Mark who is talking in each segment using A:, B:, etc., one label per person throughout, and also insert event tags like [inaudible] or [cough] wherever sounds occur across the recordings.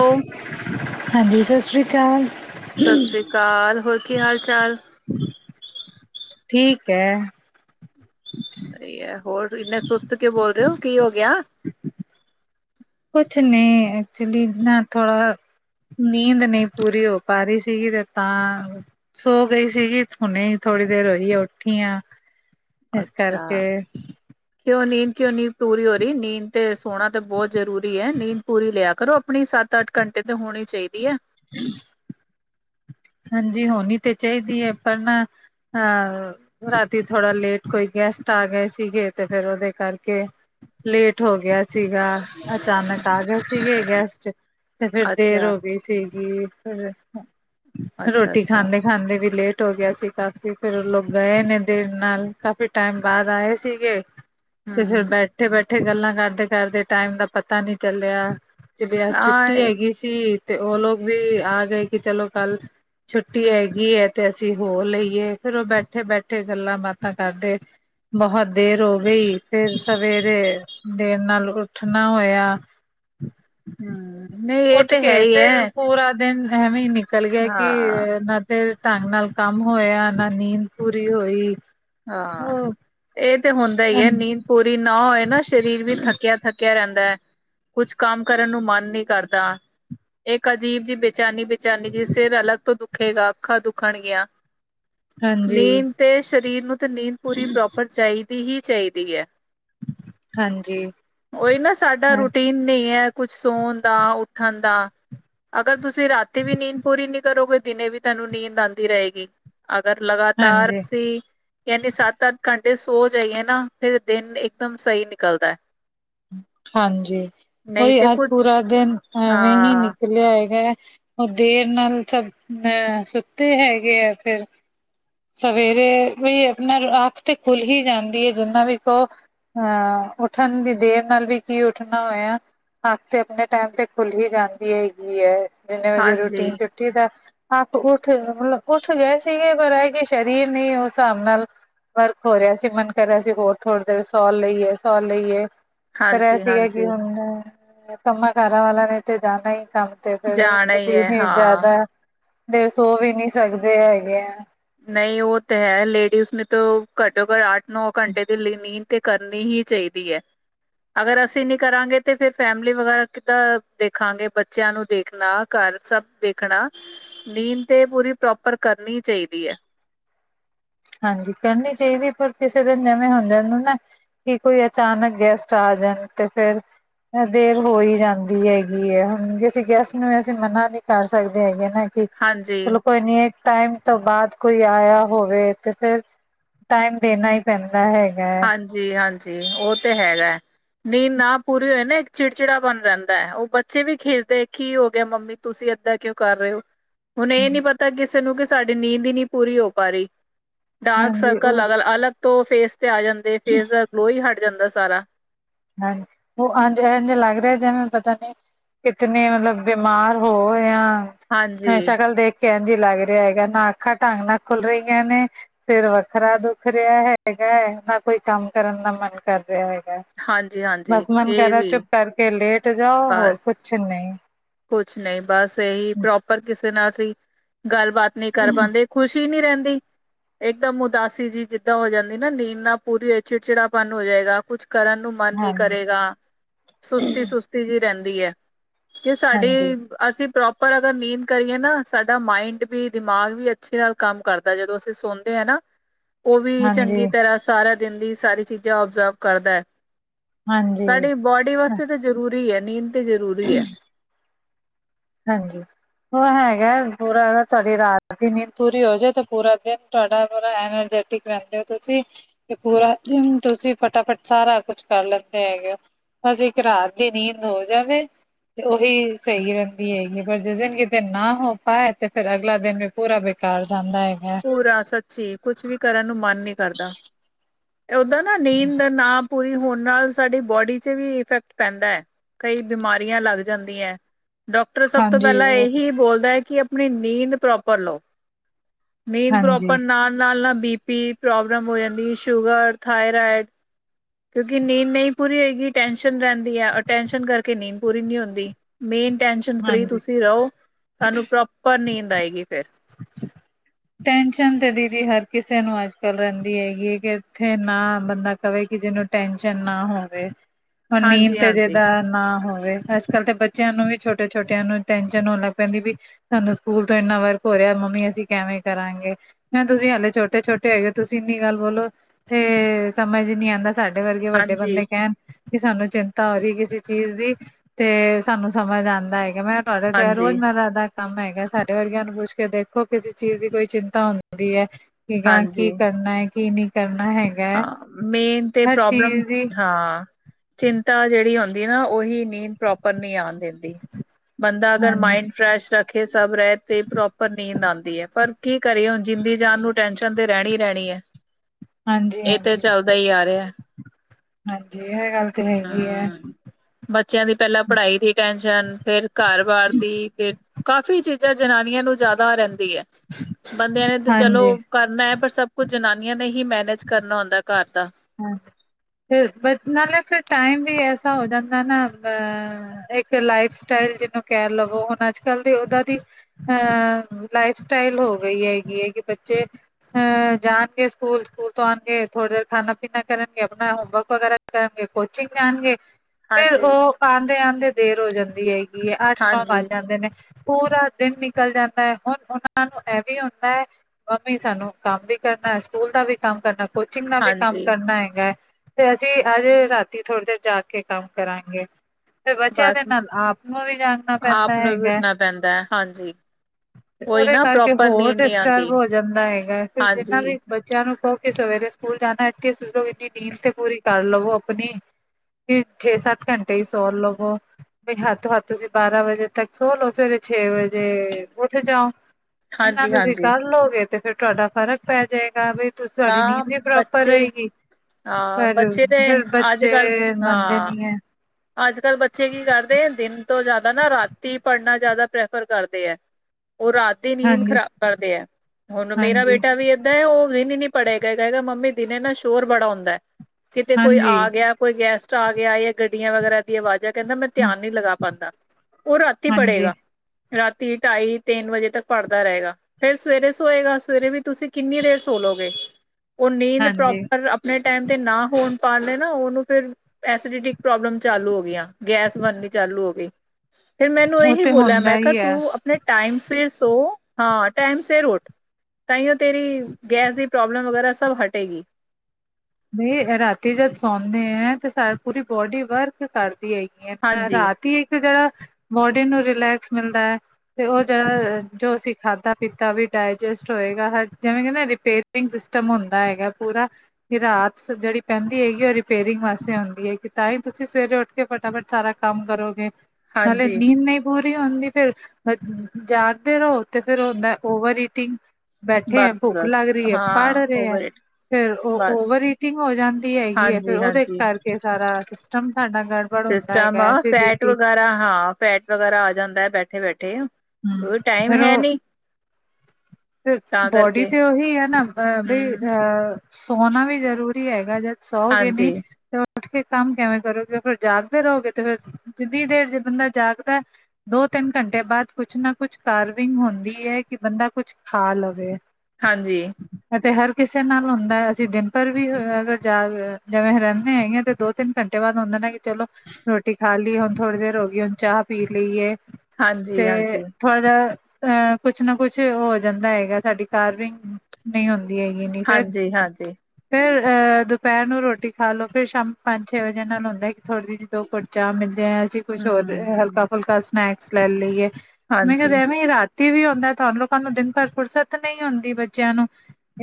A: Hello,
B: ਹਾਂਜੀ ਸਤਿ ਸ੍ਰੀ ਅਕਾਲ
A: ਸਤਿ ਸ੍ਰੀ ਅਕਾਲ ਹੋਰ ਕੀ ਹਾਲ ਚਾਲ
B: ਠੀਕ ਹੈ
A: ਸਹੀ ਹੈ ਹੋਰ ਇੰਨੇ ਸੁਸਤ ਕਿਉ ਬੋਲ ਰਹੇ ਹੋ ਕੀ ਹੋ ਗਿਆ
B: ਕੁਛ ਨਹੀਂ ਐਕਚੁਲੀ ਨਾ ਥੋੜਾ ਨੀਂਦ ਨਹੀਂ ਪੂਰੀ ਹੋ ਪਾ ਰਹੀ ਸੀਗੀ ਤੇ ਤਾਂ ਸੋ ਗਈ ਸੀਗੀ ਹੁਣੇ ਥੋੜ੍ਹੀ ਦੇਰ ਹੋਈ ਆ ਉੱਠੀ ਆ ਇਸ
A: ਅੱਛਾ
B: ਕਰਕੇ
A: ਕਿਉਂ ਨੀਂਦ ਕਿਉਂ ਨੀਂਦ ਪੂਰੀ ਹੋ ਰਹੀ ਨੀਂਦ ਤੇ ਸੋਣਾ ਤਾਂ ਬਹੁਤ ਜਰੂਰੀ ਹੈ ਨੀਂਦ ਪੂਰੀ ਲਿਆ ਕਰੋ ਆਪਣੀ ਸੱਤ ਅੱਠ ਘੰਟੇ ਤੇ ਹੋਣੀ ਚਾਹੀਦੀ ਹੈ
B: ਹਮ [unintelligible] ਹਾਂਜੀ ਹੋਣੀ ਤੇ ਚਾਹੀਦੀ ਹੈ ਪਰ ਨਾ ਅਹ ਰਾਤੀ ਥੋੜਾ ਲੇਟ ਕੋਈ ਗੈਸਟ ਆ ਗਏ ਸੀਗੇ ਤੇ ਫੇਿਰ ਉਹਦੇ ਕਰਕੇ ਲੇਟ ਹੋ ਗਿਆ ਸੀਗਾ ਅਚਾਨਕ ਆ ਗਏ ਸੀਗੇ ਗੈਸਟ ਤੇ ਫੇਿਰ ਦੇਰ
A: ਅੱਛਾ
B: ਹੋ ਗਈ ਸੀਗੀ ਫਿਰ
A: ਅੱਛਾ
B: ਰੋਟੀ
A: ਅੱਛਾ
B: ਖਾਣ ਲਈ ਖਾਂਦੇ ਵੀ ਲੇਟ ਹੋ ਗਿਆ ਸੀ ਕਾਫੀ ਫੇਿਰ ਲੋਕ ਗਏ ਨੇ ਦੇਰ ਨਾਲ ਕਾਫੀ ਟਾਈਮ ਬਾਅਦ ਆਏ ਸੀ ਤੇ ਫੇਿਰ
A: ਹਮ
B: ਬੈਠੇ ਬੈਠੇ ਗੱਲਾਂ ਕਰਦੇ ਕਰਦੇ ਟਾਈਮ ਦਾ ਪਤਾ ਨੀ ਚੱਲਿਆ ਜਵੇ ਅਜ
A: ਹਾਂ
B: ਛੁੱਟੀ
A: ਇਹ-
B: ਹੈਗੀ ਸੀ ਤੇ ਉਹ ਲੋਕ ਵੀ ਆ ਗਏ ਕਿ ਚਲੋ ਕੱਲ ਛੁੱਟੀ ਹੈਗੀ ਹੈ ਤੇ ਅਸੀਂ ਹੋ ਲਈਏ ਫੇਰ ਉਹ ਬੈਠੇ ਬੈਠੇ ਗੱਲਾਂ ਬਾਤਾਂ ਕਰਦੇ ਬਹੁਤ ਦੇਰ ਹੋ ਗਈ ਫੇਿਰ ਸਵੇਰੇ ਦੇਰ ਨਾਲ ਉੱਠਣਾ ਹੋਇਆ
A: ਹਮ ਨਹੀਂ ਇਹ
B: ਉੱਠ
A: ਤੇ ਹੈ
B: ਕੇ
A: ਹੀ
B: ਫਿਰ
A: ਹੈ
B: ਪੂਰਾ ਦਿਨ ਐਵੇਂ ਹੀ ਨਿਕਲ ਗਿਆ ਕਿ
A: ਹਾਂ
B: ਨਾ ਤੇ ਢੰਗ ਨਾਲ ਕੰਮ ਹੋਇਆ ਨਾ ਨੀਂਦ ਪੂਰੀ ਹੋਈ
A: ਹਾਂ
B: ਉਹ
A: ਇਹ ਤੇ ਹੁੰਦਾ ਹੀ
B: ਹਾਂ
A: ਹੈ ਨੀਂਦ ਪੂਰੀ ਨਾ ਹੋਏ ਨਾ ਸਰੀਰ ਵੀ ਥੱਕਿਆ ਥੱਕਿਆ ਥਕੇਆ ਰਹਿੰਦਾ ਕੁਛ ਕੰਮ ਕਰਨ ਨੂੰ ਮਨ ਨੀ ਕਰਦਾ ਇੱਕ ਅਜੀਬ ਜੀ ਬੇਚਾਨੀ ਬੇਚਾਨੀ ਜੀ ਸਿਰ ਅਲੱਗ ਤੋਂ ਦੁਖੇਗਾ ਅੱਖਾਂ ਦੁਖਣਗੀਆਂ
B: ਹਾਂਜੀ
A: ਮੇਨ ਤੇ ਸਰੀਰ ਨੂੰ ਤਾਂ ਨੀਂਦ ਪੂਰੀ ਪ੍ਰੋਪਰ ਚਾਹੀਦੀ ਹੀ ਚਾਹੀਦੀ ਹੈ
B: ਹਾਂਜੀ
A: ਉਹੀ ਨਾ ਸਾਡਾ
B: ਹਾਂ
A: ਰੂਟੀਨ ਨਹੀਂ ਹੈ ਕੁੱਛ ਸੋਣ ਦਾ ਉੱਠਣ ਦਾ ਅਗਰ ਤੁਸੀਂ ਰਾਤੀ ਵੀ ਨੀਂਦ ਪੂਰੀ ਨੀ ਕਰੋਗੇ ਦਿਨੇ ਵੀ ਤੁਹਾਨੂੰ ਨੀਂਦ ਆਉਂਦੀ ਰਹੇਗੀ ਅਗਰ ਲਗਾਤਾਰ
B: ਹਾਂਜੀ
A: ਅਸੀਂ ਯਾਨੀ ਸੱਤ ਅੱਠ ਘੰਟੇ ਸੋ ਜਾਈਏ ਨਾ ਫਿਰ ਦਿਨ ਇਕਦਮ ਸਹੀ ਨਿਕਲਦਾ
B: ਹਾਂਜੀ
A: ਨਹੀਂ
B: ਉਹੀ
A: ਤੇ
B: ਅੱਜ
A: ਕੁਛ
B: ਪੂਰਾ ਦਿਨ ਐਵੇਂ ਹੀ
A: ਹਾਂ
B: ਨਿਕਲਿਆ ਹੈਗਾ ਹੈ ਉਹ ਦੇਰ ਨਾਲ ਸਭ ਅਹ ਸੁੱਤੇ ਹੈਗੇ ਆ ਫਿਰ ਸਵੇਰੇ ਵੀ ਆਪਣਾ ਅੱਖ ਤੇ ਖੁੱਲ ਹੀ ਜਾਂਦੀ ਹੈ ਜਿੰਨਾ ਵੀ ਕੋ ਅਹ ਉੱਠਣ ਦੀ ਦੇਰ ਨਾਲ ਵੀ ਕੀ ਉੱਠਣਾ ਹੋਇਆ ਅੱਖ ਤੇ ਆਪਣੇ ਟਾਈਮ ਤੇ ਖੁੱਲ ਹੀ ਜਾਂਦੀ ਹੈਗੀ ਹੈ ਜਿੰਨੇ ਵਜੇ ਰੂਟੀਨ
A: ਹਾਂਜੀ
B: ਉੱਠੀ ਦਾ ਤਾਂ ਅੱਖ ਉੱਠ ਮਤਲਬ ਉੱਠ ਗਏ ਸੀਗੇ ਪਰ ਸਰੀਰ ਨੇ ਉਸ ਹਿਸਾਬ ਨਾਲ ਵਰਕ ਹੋ ਰਿਹਾ ਸੀ ਮਨ ਕਰਹਾ ਸੀ ਵੋਟ ਥੋੜ ਦੇ ਸੌ ਲਈਏ ਸੌ ਲਈਏ ਫੇਰ ਇਹ
A: ਹਾਂਜੀ
B: ਸੀਗਾ ਕਿ
A: ਹਾਂਜੀ
B: ਹੁਣਦਾ ਕੰਮਾਂ ਕਾਰਾਂ ਵਾਲਾ ਨੇ ਤੇ ਜਾਣਾ ਹੀ ਕੰਮ ਤੇ ਫੇਰ
A: ਜਾਣਾ ਹੀ
B: ਅਸੀਂ
A: ਹੈ
B: ਵਿ
A: ਹਾਂ
B: ਜ਼ਿਆਦਾ ਦੇਰ ਸੋ ਵੀ ਨਈ ਸਕਦੇ ਹੈਗੇ ਆ
A: ਨਹੀਂ ਉਹ ਤਾਂ ਹੈ ਲੇਡੀਜ਼ ਮੈਂ ਤੋਂ ਘੱਟੋ ਘੱਟ ਆੱਠ ਨੌ ਘੰਟੇ ਦੇ ਲਿ ਨਿਦ ਤੇ ਕਰਨੀ ਹੀ ਚਾਹੀਦੀ ਏ ਅਗਰ ਅਸੀਂ ਨਈ ਕਰਾਂਗੇ ਤੇ ਫਿਰ ਫੈਮਲੀ ਵਗੈਰਾ ਕਿੱਦਾਂ ਦੇਖਾਂਗੇ ਬੱਚਿਆਂ ਨੂੰ ਦੇਖਨਾ ਘਰ ਸਭ ਦੇਖਣਾ ਨੀਂਦ ਤੇ ਪੂਰੀ ਪ੍ਰੋਪਰ ਕਰਨੀ ਚਾਹੀਦੀ ਹੈ
B: ਹਾਂਜੀ ਕਰਨੀ ਚਾਹੀਦੀ ਪਰ ਕਿਸੇ ਦਿਨ ਏਵੇਂ ਹੋ ਜਾਦਾ ਨਾ ਜੇ ਕੋਈ ਅਚਾਨਕ ਗੈਸਟ ਆ ਜਾਣ ਤੇ ਫੇਰ ਦੇਰ ਹੋ ਹੀ ਜਾਂਦੀ ਹੈਗੀ ਹੈ ਹੁਣ ਜ ਅਸੀਂ ਗੈਸਟ ਨੂੰ ਅਸੀਂ ਮਨਾ ਨਹੀਂ ਕਰ ਸਕਦੇ ਹੈਗੇ ਨਾ
A: ਹਾਂਜੀ
B: ਚਲੋ ਕੋਈ ਨਈ ਇਕ ਟਾਈਮ ਤੋਂ ਬਾਅਦ ਕੋਈ ਆਇਆ ਹੋਵੇ ਤੇ ਫਿਰ ਟਾਈਮ ਦੇਣਾ ਹੀ ਪੈਂਦਾ ਹੈਗਾ। ਹੈ
A: ਜੀ ਹਾਂਜੀ, ਉਹ ਤੇ ਹੈਗਾ। ਨੀਂਦ ਨਾ ਪੂਰੀ ਹੋਈ ਨਾ ਇੱਕ ਚਿੜਚਿੜਾ ਪਨ ਰਹਿੰਦਾ ਹੈ ਉਹ ਬੱਚੇ ਵੀ ਖਿਜਦੇ ਕੀ ਹੋ ਗਿਆ ਮੰਮੀ ਤੁਸੀਂ ਏਦਾਂ ਕਿਉਂ ਕਰ ਰਹੇ ਹੋ। ਹੁਣ ਇਹ ਨਹੀਂ ਪਤਾ ਕਿਸੇ ਨੂੰ ਕਿ ਸਾਡੀ ਨੀਂਦ ਹੀ ਨਹੀਂ ਪੂਰੀ ਹੋ ਪਾ ਰਹੀ। ਡਾਰਕ
B: ਹਾਂਜੀ ਉਹ
A: ਸਰਕਲ ਅਗਲ ਅਲੱਗ ਤੋਂ ਫੇਸ ਤੇ ਆ ਜਾਂਦੇ ਫੇਸ ਦਾ ਗਲੋ ਹੀ ਹਟ ਜਾਂਦਾ ਸਾਰਾ।
B: ਹਾਂਜੀ, ਉਹ ਅੱਜ ਇੰਜ ਲੱਗ ਰਿਹਾ ਜਿਵੇਂ ਪਤਾ ਨਹੀਂ। ਕਿਤਨੀ ਮਤਲਬ ਬਿਮਾਰ ਹੋ ਰਿਆ ਏ
A: ਹਾਂਜੀ
B: ਸ਼ਕਲ ਦੇਖ ਇਹ ਇੰਜ ਈ ਲੱਗ ਰਿਹਾ ਹੈਗਾ ਨਾ ਅੱਖਾਂ ਢੰਗ ਨਾਲ ਖੁੱਲ ਰਹੀਆਂ ਨੇ ਸਿਰ ਵੱਖਰਾ ਦੁੱਖ ਰਿਹਾ ਹੈਗਾ ਹੈ ਨਾ ਕੋਈ ਕੰਮ ਕਰਨ ਦਾ ਮਨ ਕਰ ਰਿਹਾ ਹੈਗਾ।
A: ਹਾਂਜੀ, ਹਾਂਜੀ।
B: ਬਸ ਮਨ
A: ਇਹ
B: ਕਰਰਾ
A: ਵੀ
B: ਚੁੱਪ ਕਰਕੇ ਲੇਟ ਜਾਓ ਹੋਰ
A: ਬਸ
B: ਕੁਛ ਨਹੀਂ।
A: ਕੁਛ ਨਹੀਂ ਬਸ ਇਹੀ ਪ੍ਰੋਪਰ ਕਿਸੇ ਨਾਲ ਅਸੀ ਗੱਲਬਾਤ ਨਹੀਂ ਕਰ ਪਾਂਦੇ। ਖੁਸ਼ੀ ਨਹੀਂ ਰਹਿੰਦੀ। ਇੱਕਦਮ ਉਦਾਸੀ ਜੀ ਜਿੱਦਾਂ ਹੋ ਜਾਂਦੀ ਨਾ ਨੀਂਦ ਨਾਲ ਪੂਰੀ ਹੋਈ ਚਿੜ ਚਿੜਾਪਨ ਹੋ ਜਾਏਗਾ ਕੁਛ ਕਰਨ ਨੂੰ ਮਨ ਨੀ
B: ਹਾਂਜੀ
A: ਕਰੇਗਾ ਸੁਸਤੀ ਸੁਸਤੀ ਜੀ ਰਹਿੰਦੀ ਹੈ। ਜੇ ਸਾਡੀ
B: ਹਾਂਜੀ
A: ਅਸੀਂ ਪ੍ਰੋਪਰ ਅਗਰ ਨੀਂਦ ਕਰੀਏ ਨਾ ਸਾਡਾ ਮਾਇੰਡ ਵੀ ਦਿਮਾਗ ਵੀ ਅੱਛੇ ਤਰਾ ਕੰਮ ਕਰਦਾ ਜਦੋਂ ਅਸੀਂ ਸੌਂਦੇ ਹੇ ਨਾ
B: ਹ [inaudible]
A: ਓ ਵੀ ਚੰਗੀ ਤਰ੍ਹਾਂ ਸਾਰਾ ਦਿਨ ਦੀ ਸਾਰੀ ਚੀਜ਼ਾਂ ਓਬਜ਼ਰਵ ਕਰਦਾ
B: ਹਾਂਜੀ
A: ਸਾਡੀ ਬੋਡੀ ਵਾਸਤੇ ਤਾਂ ਜ਼ਰੂਰੀ ਏ ਨੀਂਦ ਤੇ ਜ਼ਰੂਰੀ ਐ
B: [inaudible] ਹਾਂਜੀ ਉ ਹੈਗਾ ਪੂਰਾ ਤੁਹਾਡੀ ਰਾਤ ਦੀ ਨੀਂਦ ਪੂਰੀ ਹੋ ਜੇ ਤੇ ਪੂਰਾ ਦਿਨ ਟੋਹਾਡਾ ਪੁਰਾ ਹੈਗੇ ਐਨਰਜੈਟਿਕ ਰੈਂਦੇ ਹੋ ਤੁਸੀਂ ਤੇ ਪੂਰਾ ਦਿਨ ਤੁਸੀਂ ਫਟਾਫਟ ਸਾਰਾ ਕੁਛ ਕਰ ਲੈਂਦੇ ਹੈਗੇ ਓ ਬਸ ਇੱਕ ਰਾਤ ਦੀ ਨੀਂਦ ਹੋ ਜਾਵੇ ਤੇ ਉਹੀ ਸਈ ਏ ਹੈਗੀ ਪਰ ਜਿਸ ਦਿਨ ਕਿਤੇ ਨਾ ਹੋ ਪਾਏ ਤੇ ਫਿਰ ਅਗਲਾ ਦਿਨ ਵੀ ਪੂਰਾ ਬੇਕਾਰ ਜਾਂਦਾ ਹੈਗਾ
A: ਪੂਰਾ ਸੱਚੀ ਕੁਛ ਵੀ ਕਰਨ ਨੂੰ ਮਨ ਨੀ ਕਰਦਾ ਓਦਾਂ ਨਾ ਨੀਂਦ ਨਾ ਪੂਰੀ ਹੋਣ ਨਾਲ ਸਾਡੀ ਬੋਡੀ ਚ ਵੀ ਇਫੈਕਟ ਪੈਂਦਾ ਹੈ। ਕਈ ਬਿਮਾਰੀਆਂ ਲੱਗ ਜਾਂਦੀਏ ਡਾਕਟਰ ਸਭ ਤੋਂ
B: ਹਾਂਜੀ
A: ਪਹਿਲਾਂ
B: ਉਹ
A: ਇਹੀ ਬੋਲਦਾ ਹੈ ਕਿ ਆਪਣੀ ਨੀਂਦ ਪ੍ਰੋਪਰ ਲਓ। ਨੀਂਦ
B: ਹਾਂਜੀ
A: ਪ੍ਰੋਪਰ ਨਾ ਆਨ ਨਾਲ ਬੀ ਪੀ ਪ੍ਰੋਬਲਮ ਹੋ ਜਾਂਦੀ ਸ਼ੂਗਰ ਥਾਇਰਾਇਡ ਕਿਉਂਕਿ ਨੀਂਦ ਨਹੀਂ ਪੂਰੀ ਹੋਏਗੀ ਟੈਸ਼ਨ ਰਹਿੰਦੀ ਹੈ ਅਟੈਸ਼ਨ ਕਰਕੇ ਨੀਂਦ ਪੂਰੀ ਨਹੀਂ ਹੁੰਦੀ। ਮੇਨ ਟੈਨਸ਼ਨ ਫਰੀ
B: ਹਾਂਜੀ
A: ਤੁਸੀਂ ਰਹੋ ਤੁਹਾਨੂੰ ਪ੍ਰੋਪਰ ਨੀਂਦ ਆਏਗੀ ਫੇਰ।
B: ਅੱ [unintelligible] ਟੈਨਸ਼ਨ ਤੇ ਦੀਦੀ ਹਰ ਕਿਸੇ ਨੂੰ ਅੱਜ ਕੱਲ੍ਹ ਰਹਿੰਦੀ ਹੈਗੀ ਹੈ ਕਿ ਇੱਥੇ ਨਾ ਬੰਦਾ ਕਵੇ ਕਿ ਜਿਹਨੂੰ ਟੈਂਸ਼ਨ ਨਾ ਹੋਵੇ ਤਾ ਨੀਂਦ
A: ਹਾਂਜੀ
B: ਤੇ
A: ਹਾਂਜੀ
B: ਜਿੱਦਾਂ। ਨਾ ਹੋਵੇ ਅੱਜ ਕੱਲ ਤੇ ਬੱਚਿਆਂ ਨੂੰ ਵੀ ਛੋਟੇ ਛੋਟਿਆਂ ਨੂੰ ਟੈਨਸ਼ਨ ਹੋਣ ਲੱਗ ਪੈਂਦੀ ਵੀ ਸਾਨੂੰ ਸਕੂਲ ਤੋਂ ਇੰਨਾ ਵਰਕ ਹੋ ਰਿਹਾ ਮੰਮੀ ਅਸੀਂ ਕਿਵੇਂ ਕਰਾਂਗੇ ਮੈਂ ਕਹਾ ਤੁਸੀਂ ਹਾਲੇ ਛੋਟੇ ਛੋਟੇ ਹੈਗੇ ਹੋ ਤੁਸੀਂ ਇੰਨੀ ਗੱਲ ਬੋਲੋ ਤੇ ਸਮਝ ਨਹੀਂ ਆਉਂਦਾ ਸਾਡੇ ਵਰਗੇ ਵੱਡੇ
A: ਹਾਂਜੀ
B: ਬੰਦੇ ਕਹਿਣ ਕਿ ਸਾਨੂੰ ਚਿੰਤਾ ਹੋ ਰੀ ਕਿਸੇ ਚੀਜ਼ ਦੀ ਤੇ ਸਾਨੂੰ ਸਮਝ ਆਦਾਂ ਹੈਗਾ ਮੈਂ ਤੁਹਾਡੇ ਤੇ
A: ਹਾਂਜੀ
B: ਰੋਜ਼ ਮੇਹਨਤ ਦਾ ਕੰਮ ਹੈਗਾ ਸਾਡੇ ਵਰਗੀਆਂ ਨੂੰ ਪੁੱਛ ਕਿ ਦੇਖੋ ਕਿਸੇ ਚੀਜ਼ ਦੀ ਕੋਈ ਚਿੰਤਾ ਹੁੰਦੀ ਏ ਕਿ ਠੀਕਾ ਕੀ
A: ਹਾਂਜੀ
B: ਕਰਨਾ ਕੀ ਨਈ ਕਰਨਾ ਹੈਗਾ ਹੈ
A: ਹਾਂ ਮੇੈਂਨ ਤੇ
B: ਹਰ
A: ਪ੍ਰੋਬਲਮ
B: ਚੀਜ਼ ਦੀ
A: ਹਾਂ ਚਿੰਤਾ ਜੇਹੜੀ ਹੁੰਦੀ ਨਾ ਉਹੀ ਨੀਂਦ ਪ੍ਰੋਪਰ ਨੀ ਆਣ ਦੇਂਦੀ ਬੰਦਾ ਅਗਰ
B: ਹਾਂਜੀ
A: ਮਾਈੰਡ ਫਰੈਸ਼ ਰੱਖੇ ਸਭ ਰੇਤ ਤੇ ਪ੍ਰੋਪਰ ਨੀਂਦ ਆਂਦੀ ਐ ਪਰ ਕੀ ਕਰੀਅੇ ਹੁਣ ਜਿੰਦੀ ਜਾਨ ਨੂੰ ਟੈਂਸ਼ਨ ਤੇ ਰੈਣੀ ਰੈਣੀ ਏ
B: ਹਾਂਜੀ
A: ਇਹ ਤੇ
B: ਹਾਂਜੀ
A: ਚੱਲਦਾ ਈ ਆ ਰਿਆ
B: ਹਾਂਜੀ, ਇਹ ਗੱਲ ਤੇ ਹੈਗੀ ਹੈ
A: ਬੱਚੇਆਂ ਦੀ ਪੇਲਾਂ ਪੜ੍ਹਾਈ ਦੀ ਟੈਨਸ਼ਨ, ਫੇਰ ਘਾਰ-ਬਾਰ ਦੀ ਫੇਰ ਕਾਫ਼ੀ ਚੀ ਜਾਂ ਜਨਾਨੀਆਂ ਨੂੰ ਜਾਦਾ ਰੈਂਦੀ ਐ, ਬੰਦੇਆਂ ਨੇ ਤੇ ਚਲੋ
B: ਹਾਂਜੀ
A: ਕਰਨੈ ਪਰ ਸਬ ਕੁਛ ਜਨਾਨੀਆਂ ਨੇ ਹੀ ਮੈਨੇਜ ਕਰਨਾ ਹੁੰਦੈ ਘਰ ਦਾ
B: ਹੂੰ, ਫੇਰ ਵਤ ਨਾਲੇ ਫੇਰ ਟਾਈਮ ਵੀ ਐਸਾ ਹੋ ਜਾਂਦਾ ਨਾ ਅ ਇੱਕ ਲਾਈਫ ਸਟਾਈਲ ਜਿਨੂੰ ਕੇੈ ਲਵੋ ਹੋਨ ਆੱਜ-ਕਾੱਲ ਦੀ ਓਦਾਂ ਦੀ ਹੰ, ਲਾਈਫ ਸਟਾਈਲ ਹੋ ਗਈ ਹੈਗੀ ਏ ਕਿ ਬੱਚੇ ਹੰ, ਜਾਨਗੇ ਸੁਕੂਲ ਸੁਕੂਲ ਤੇ ਆਨਗੇ ਥੋੜੀ ਦੇਰ ਖਾਨਾ [unintelligible] ਕਰਨਗੇ ਅਪਨਾ ਹੋਂਵਰਕ ਵਗੈਰਾ ਕਰਨਗੇ ਕੋਚਿੰਗ ਜਾਨਗੇ, ਫੇਰ ਓ
A: ਹਾਂਜੀ
B: ਆਂਦੇ-ਆਂਦੇ ਦੇਰ ਹੋ ਜਾਂਦੀ ਹੈਗੀ ਏ ਆੱਠ-ਨੌ
A: ਹਾਂਜੀ
B: ਵਾੱਜ ਜਾਂਦੇ ਨੇ ਪੂਰਾ ਦਿਨ ਨਿਕਲ ਜਾਂਦੈ, ਹੋਨ ਓਨਾਂ ਨੂੰ ਐ ਵੀ ਹੋਂਦੈ ਮੰਮੀ ਸਾਨੂੰ ਕਾੰਮ ਵੀ ਕਰਨੈ ਸੁਕੂਲ ਦਾ ਵੀ ਕਾੰਮ ਕਰਨੈ ਕੋਚਿੰਗ ਦਾ ਵੀ
A: ਹਾਂਜੀ
B: ਨਾ ਹੈਗੈ, ਤੇ ਅਸੀਂ ਅਜੇ ਰਾਤੀ ਥੋੜੀ ਦੇਰ ਜਾ ਕੇ ਕਾੰਮ ਕਰਾਂਗੇ ਤੇ ਬੱਚੇਆਂ ਦੇ
A: ਬਸ
B: ਨਾਲ ਆਪ ਨੂੰ ਵੀ ਜਾਗਨਾ ਪੈਂਦਾ
A: ਆਪ ਨੂੰ
B: ਹੈਗੈ।
A: ਰੁਕਣਾ ਪੈਂਦਾ ਐ ਹਾਂਜੀ
B: ਤੇ
A: ਕੋਈ
B: ਓਦੇ
A: ਨਾ
B: ਕਾਰਕੇ
A: ਪ੍ਰੋਪਰ
B: ਹੋਰ
A: ਨੀਂਦ ਨੀ
B: ਡਿਸਟਰਬ
A: ਆਂਦੀ
B: ਹੋ ਜਾਂਦਾ ਹੇਗੈ ਫੇਰ ਜਿੰਨਾ ਵੀ
A: ਹਾਂਜੀ
B: ਬੱਚੇਆਂ ਨੂੰ ਕੋ ਕੀ ਸਵੇਰੇ ਸੁਕੂਲ ਜਾਨੈ ਐਂਥੇ [unintelligible] ਨੀਂਦ ਤੇ ਪੂਰੀ ਕਾਰ ਲਵੋ ਆਪਨੀ [unintelligible] ਛੇ-ਸੱਤ ਘੰਟੇ ਈ ਸੋ ਲਵੋ ਬਈ ਹਾੱਤ ਤੋ ਹਾੱਤ ਤੁਸੀਂ ਬਾਰਾਂ ਵਜੇ ਤੱਕ ਸੋਲੋ ਸਵੇਰੇ ਛੇ ਵਜੇ ਉੱਠ ਜਾਓ, ਏਨਾ
A: ਹਾਂਜੀ
B: ਤੁਸੀ
A: ਹਾਂਜੀ
B: ਕਾਰਲੋਗੇ ਤੇ ਫਿਰ ਤੁਆਡਾ ਫਰਕ ਪੈ ਜਏਗਾ ਬਈ ਤੁ ਤੁਆਡੀ
A: ਨਾ
B: ਨੀਂਦ ਵੀ ਪ੍ਰੋਪਰ
A: ਬੱਚੇ
B: ਰਏਗੀ। [unintelligible]
A: ਹਾਂ
B: ਪਰ
A: ਬੱਚੇ ਤੇ
B: ਫਿਰ ਬੱਚੇ, ਮੰਨਦੇ ਨੀ ਐ।
A: ਆਜ-ਕੱਲ, ਬੱਚੇ ਕੀ ਕਾਰਦੇ ਦਿਨ ਤੋਂ ਜਾਦਾ ਨਾ ਰਾਤੀ ਪੜਨਾ ਜਾਦਾ ਪ੍ਰੈਫਰ ਕਾਰਦੇ ਐ। ਓ ਰਾਤ ਦੀ ਨੀਂਦ
B: ਹਾਂਜੀ।
A: ਖ਼ਰਾਬ ਕਾਰਦੇ ਐ, ਹੁਨ ਮੇਰਾ
B: ਹਾਂਜੀ,
A: ਬੇਟਾ ਵੀ ਏ ਤੇ ਓ ਦਿਨੀ ਨੀ ਪੜੇਗਾ ਕਏਗਾ ਮੰਮੀ ਦਿਨੇ ਨਾ ਸ਼ੋਰ ਬੜਾ ਹੁੰਦੈ, ਕਿਤੇ ਕੋਈ
B: ਹਾਂਜੀ,
A: ਆ ਗੇਆ ਕੋਈ ਗੈਸਟ ਆ ਗੇਆ ਯਾ ਗ ਗੱਡੀਆਂ ਵਗੈਰਾ ਦੀਆਂ ਆਵਾਜਾ ਕੈਂਦਾ ਮੈਂ ਧੇਆਨ ਨੀ ਲਗਾ ਪਾਂਦਾ, ਓ ਰਾਤੀ
B: ਹਾਂਜੀ,
A: ਪੜੇਗਾ। ਰਾਤੀ ਢਾਈ-ਤਿੰਨ ਵਜੇ ਤੱਕ ਪੜਦਾ ਰਏਗਾ। ਫੇਰ ਸਵੇਰੇ ਸੋਏਗਾ ਸਵੇਰੇ ਵੀ ਤੁਸੀ ਕਿੰਨੀ ਦੇਰ ਸੋਲੋਗੇ। ਓ ਨੀਂਦ
B: ਹਾਂਜੀ
A: ਪ੍ਰੋਪਰ ਆਪਨੇ ਟਾਈਮ ਤੇ ਨਾ ਹੋਨ ਪਾਏ ਨਾ ਓਨੂੰ ਫੇਰ, ਐਸੀਡਿਟੀ ਪ੍ਰੋਬਲਮ ਚਾਲੂ ਹੋ ਗੀਆਂ, ਗੈਸ ਬੰਨੀ ਚਾਲੂ ਹੋ ਗਈ ਫੇਰ ਮੈ ਏਨੂੰ
B: ਉਹ
A: ਏਹੀ
B: ਤੇ
A: ਬੋਲੇਆ ਮੈਂ
B: ਹੁੰਦਾ
A: ਕਾ
B: ਹੀ ਹੈ।
A: ਤੂੰ ਆਪਨੇ ਟਾਈਮ ਸੀਰ ਸੋ, ਹਾਂ ਟਾਈਮ ਸੇਰ ਓਠ। ਤਾਂਈਓ ਤੇਰੀ, ਗੈਸ ਦੀ ਪ੍ਰੋਬਲਮ ਵਗੈਰਾ ਸਬ ਹਟੇਗੀ।
B: ਨੀਂ ਅ ਰਾਤੀ ਜਦ ਸੌਨੇ ਆ ਤੇ ਸਾ ਪੂਰੀ ਬੋਡੀ ਵਰਕ ਕਾਰ ਦੀ ਹੈਗੀ ਏ
A: ਹਾਂਜੀ
B: ਰਾਤੀ ਇੱਕ ਜੇੜਾ, ਬੋੜੀ ਨੂੰ ਰਿਲੈਕਸ ਮਿਲਦਾ ਐ ਤੇ ਓ ਜੇੜਾ ਅ, ਜੋ ਅਸੀਂ ਖਾਦਾ ਪੀਤਾ ਵੀ ਡਾਏਜਸਟ ਹੋਏਗਾ ਹਰ ਜਵੇਂ ਕੈਂਨੇ ਰਿਪੇਯਰ ਰਿੰਗ ਸਿਸਟਮ ਹੁੰਦੈ ਹੈਗੈ ਪੂਰਾ ਕੀ ਰਾਤ ਜੇੜੀ ਪੈਂਦੀ ਹੈਗੀ ਓ ਰਿਪੇਰਿੰਗ ਵਾਸਤੇ ਹੋਂਦੀ ਹੈਗੀ, ਤਾਂ ਈ ਤੁਸੀਂ ਸਵੇਰੇ ਉੱਠ ਕੇ ਫਟਾਫਟ ਸਾਰਾ ਕਾੰਮ ਕਰੋਗੇ, ਨਾਲੇ
A: ਹਾਂਜੀ
B: ਨੀਂਦ ਨਈ ਪੂਰੀ ਹੋਂਦੀ ਵ ਫੇਰ ਜਾਗਦੇ ਰੋ ਤੇ ਫੇਰ ਹੋਂਦਾ ਓਵਰ ਈਟਿੰਗ ਬੈਠੇ ਆਂ
A: ਬਸ
B: ਭੁੱਖ
A: ਬਸ
B: ਲਾੱਗ ਰੀ ਏ
A: ਹਾਂ
B: ਪਾੜ ਰੇ ਆਂ,
A: ਓਵਰ ਇਟ
B: ਫੇਰ ਓ
A: ਬਸ
B: ਓਵਰ ਈਟਿੰਗ ਹੋ ਜਾਂਦੀ ਹੈਗੀ ਐ ਫੇਰ
A: ਹਾਂਜੀ
B: ਓਦੇ
A: ਹਾਂਜੀ
B: ਕਾਰਕੇ ਸਾਰਾ, ਸਿਸਟਮ ਸਾਡਾ ਗੜ
A: ਸਿਸਟਮ ਆ ਫੈਟ ਵਗਾਰਾ ਹਾਂ, ਫੈਟ ਵਗਾਰਾ ਆ ਜਾਂਦੈ ਬੈਠੇ-ਬੈਠੇ ਕੇਓਕੀ ਟੈਮ
B: ਫੇਰ
A: ਹੈ
B: ਉਹ
A: ਨੀ।
B: ਫਿਰ
A: ਤਾਂ
B: ਬੋੜੀ
A: ਕਰਕੇ
B: ਤੇ ਓਹੀ ਹੈ ਨਾ, ਅ ਬਈ
A: ਹਮ
B: ਅ ਸੋਨਾ ਵੀ ਜਰੂਰੀ ਹੈਗੈ ਜਦ ਸੌਗੇ ਨੀ
A: ਹਾਂਜੀ
B: ਤ ਉੱਠ ਕੇ ਕੰਮ ਕਿਵੇਂ ਕਰੋਗੇ ਫਿਰ ਜਾਗਦੇ ਰਹੋਗੇ ਤੇ ਫਿਰ ਜਿੰਨੀ ਦੇਰ ਜੇ ਬੰਦਾ ਜਾਗਦਾ। ਦੋ ਤਿੰਨ ਘੰਟੇ ਬਾਅਦ ਕੁਛ ਨਾ ਕੁਛ ਕਾਰਵਿੰਗ ਹੁੰਦੀ ਹੈ ਕਿ ਬੰਦਾ ਕੁਛ ਖਾ ਲਵੇ।
A: ਹਾਂਜੀ।
B: ਅਤੇ ਹਰ ਕਿਸੇ ਨਾਲ ਹੁੰਦਾ ਅਸੀਂ ਦਿਨ ਭਰ ਵੀ ਅਗਰ ਜਾ ਜਿਵੇਂ ਰਹਿੰਦੇ ਹੈਗੇ ਹ ਤੇ ਦੋ ਤਿੰਨ ਘੰਟੇ ਬਾਅਦ ਹੁੰਦੇ ਨੇ ਕਿ ਚਲੋ ਰੋਟੀ ਖਾ ਲੀਏ ਹੁਣ ਥੋੜ੍ਹੀ ਦੇਰ ਹੋ ਗਈ ਹੁਣ ਚਾਹ ਪੀ ਲਈਏ,
A: ਹਾਂਜੀ
B: ਤੇ
A: ਹਾਂਜੀ
B: ਥੋੜਾ ਜ ਅਹ ਕੁਛ ਨਾ ਕੁਛ ਹੋ ਜਾਂਦਾ ਹੈਗਾ। ਸਾਡੀ ਕਰੇਵਿੰਗ ਨਹੀਂ ਹੁੰਦੀ ਹੈਗੀ ਇ ਨਹੀਂ ਫੇਰ-
A: ਹਾਂਜੀ ਹਾਂਜੀ
B: ਫੇਰ ਅਹ ਦੁਪਹਿਰ ਨੂੰ ਰੋਟੀ ਖਾਲੋ ਫੇਰ ਸ਼ਾਮ ਪੰਜ ਛੇ ਵਜੇ ਨਾਲ ਹੁੰਦਾ ਇੱਕ ਥੋੜ੍ਹੀ ਜਿ ਜਿਹੀ ਦੋ- ਦੋ ਘੁਟ ਚਾਹ ਮਿਲ ਜਾਏ ਅਸੀ ਕੁਛ ਹੋਰ ਹਲਕਾ
A: ਹਮ
B: ਫੁਲਕਾ ਸਨੈਕਸ ਲੈ ਲੀਏ ਮੈਂ ਕਿਹਾ
A: ਹਾਂਜੀ
B: ਐਵੇ ਰਾਤੀ ਵੀ ਆਉਂਦਾ ਤੁਹਾਨੂੰ ਲੋਕਾਂ ਨੂੰ ਦਿਨ ਭਰ ਫੁਰਸਤ ਨਹੀਂ ਹੁੰਦੀ ਬੱਚਿਆਂ ਨੂੰ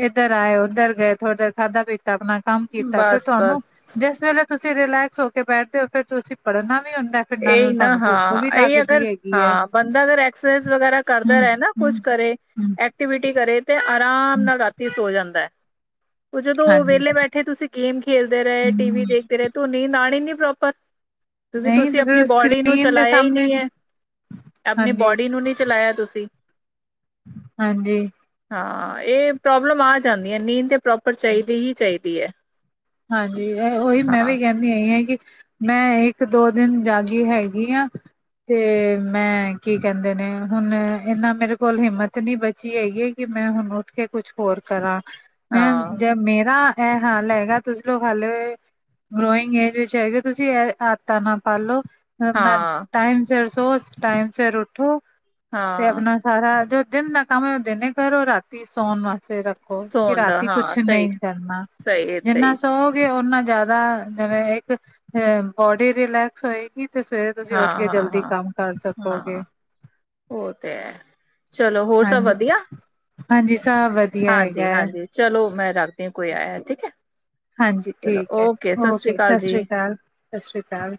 B: ਇੱਧਰ ਆਏ ਉੱਧਰ ਗਏ ਥੋੜਾ ਦੇਰ ਖਾਧਾ ਪੀਤਾਂ ਆਪਣਾ ਕੰਮ ਕੀਤਾ ਫਿਰ
A: ਬਸ
B: ਤੁਹਾਨੂੰ,
A: ਬਸ
B: ਜਿਸ ਵੇਲੇ ਤੁਸੀਂ ਰਿਲੈਕਸ ਹੋ ਕੇ ਬੈਠਦੇ ਹੋ ਫਿਰ ਤੁਸੀਂ ਪੜ੍ਹਨਾ ਵੀ ਹੁੰਦਾ ਫਿਰ ਨਾਲ
A: ਇਹੀ
B: ਨਾਲ
A: ਨਾ
B: ਤੁਹਾਨੂੰ ਭੁੱਖ ਵੀ
A: ਹਾਂ, ਇਹੀ
B: ਲੱਗਦੀ
A: ਅਗਰ
B: ਹੈਗੀ ਹੈ
A: ਹਾਂ ਬੰ ਬੰਦਾ ਅਕਸਰਸ ਵਗੈਰਾ ਕਰਦਾ
B: ਹਮ
A: ਰਹੇ ਨਾ,
B: ਹਮ
A: ਕੁਛ ਕਰੇ
B: ਹਮ
A: ਐਕਟੀਵਿਟੀ ਕਰੇ ਤੇ ਆਰਾਮ
B: ਹਮ
A: ਨਾਲ ਰਾਤੀ ਸੋ ਜਾਂਦਾ ਹੈ। ਉਹ ਜਦੋਂ
B: ਹਾਂਜੀ
A: ਵਿਹਲੇ ਬੈਠੇ ਤੁਸੀਂ ਗੇਮ ਖੇਲਦੇ ਰਹੇ ਟੀ
B: ਹਮ
A: ਵੀ ਦੇਖਦੇ ਰਹੇ- ਧੁਨੀ ਨਣੀ ਨੀ ਪ੍ਰੋਪਰ, ਕਿਉਂਕਿ
B: ਨਹੀਂ
A: ਤੁਸੀਂ
B: ਤੇ
A: ਆਪਣੀ
B: ਫਿਰ
A: ਬੋਡੀ ਨੂੰ
B: ਸਕਰੀਨ ਦੇ
A: ਚਲਾਇਆ ਹੀ
B: ਸਾਹਮਣੇ
A: ਨਹੀਂ ਹੈ, ਆਪਣੀ
B: ਹਾਂਜੀ
A: ਬੋਡੀ ਨੂੰ ਨਹੀਂ ਚਲਾਇਆ ਤੁਸੀਂ
B: ਹਾਂਜੀ
A: ਹਾਂ ਇਹ ਪ੍ਰੋਬਲਮ ਆ ਜਾਂਦੀਆਂ ਨੀਂਦ ਤੇ ਪ੍ਰੋਪਰ ਚਾਹੀਦੀ ਹੀ ਚਾਹੀਦੀ ਹੈ
B: ਹਾਂਜੀ ਉਹੀ ਮੈਂ
A: ਹਾਂ
B: ਵੀ ਕਹਿੰ- ਹੈਗੀ, ਮੈਂ ਇੱਕ ਦੋ ਦਿਨ ਜਾਗੀ ਹੈਗੀ ਆ ਤੇ ਮੈਂ ਕੀ ਕਹਿੰਦੇ ਨੇ ਹੁਣ ਇਨਾਂ ਮੇਰੇ ਕੋਲ ਹਿੰਮਤ ਨਹੀਂ ਬਚੀ ਹੈਗੀ, ਕਿ ਮੈਂ ਹੁਣ ਉੱਠ ਕੇ ਕੁਛ ਹੋਰ ਕਰਾਂ, ਮ
A: ਹਾਂ
B: ਜੇ ਮੇਰਾ ਇਹ ਹਾਲ ਹੈਗਾ ਤੁਸੀ ਲੋਗ ਹਲੇ ਗਰੋਇੰਗ ਏਜ ਵਿੱਚ ਹੈਗੇ ਤੁਸੀਂ ਇਹ ਆਦਤਾ ਨਾ ਪਾਲ ਲਓ। ਆਪਣਾ
A: ਹਾਂ
B: ਟਾਈਮ ਸਿਰ ਸੋ ਟਾਈਮ ਸਿਰ ਉੱਠੋ ਤੇ,
A: ਹਾਂ
B: ਆਪਣਾ ਸਾਰਾ ਜੋ ਦਿਨ ਦਾ ਕੰਮ ਹੈ ਉਹ ਦਿਨ ਹੀ ਕਰੋ ਰਾਤੀ ਸੌਉਣ ਵਾਸਤੇ ਰੱਖ- ਕਿ
A: ਸੋਣ ਦਾ
B: ਰਾਤੀ
A: ਹਾਂ
B: ਕੁਛ
A: ਸਹੀ
B: ਨਹੀਂ ਕਰਨਾ
A: ਸਹੀ ਏਦਾਂ ਹੀ
B: ਸੋਨੇ ੳਨਾ ਜ਼ਿਆਦਾ, ਜਿਵੇਂ ਇੱਕ ਬੋਡੀ ਰਿਲੈਕਸ ਹੋਏਗੀ ਤੇ ਸਵੇਰ ਤੁਸੀਂ
A: ਹਾਂ
B: ਉੱਠ ਕੇ
A: ਹਾਂ
B: ਜਲਦੀ
A: ਹਾਂ
B: ਕੰਮ ਕਰ ਸਕੋਗੇ।
A: ਹਾਂ ਉਹ ਤੇ ਹੈ, ਚਲੋ ਹੋਰ ਸਭ
B: ਹਾਂਜੀ,
A: ਵਧੀਆ-
B: ਹਾਂਜੀ ਸਬ ਵਧੀਆ ਹੈਗਾ
A: ਹਾਂਜੀ
B: ਹੈ,
A: ਹਾਂਜੀ ਚਲੋ ਮੈਂ ਰੱਖਦੀ ਹ ਕੋਈ ਆਇਆ ਠੀਕ ਹੈ।
B: ਹਾਂਜੀ
A: ਚਲੋ
B: ਠੀਕ ਹੈ
A: ਸ੍ਰੀ
B: ਓਕੇ,
A: ਅਕਾਲ
B: ਸਤਿ
A: ਜੀ
B: ਸ਼੍ਰੀ ਅਕਾਲ ਸਤਿ ਸ਼੍ਰੀ ਅਕਾਲ